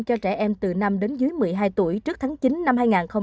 cho trẻ em từ năm đến dưới một mươi hai tuổi trước tháng chín năm hai nghìn hai mươi